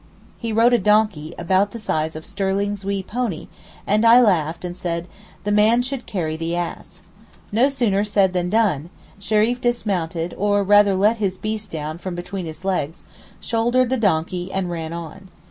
He rode a donkey, about the size of Stirling's wee pony, and I laughed, and said, 'The man should carry the ass.' No sooner said than done, Sheriff dismounted, or rather let his beast down from between his legs, shouldered the donkey, and ran on.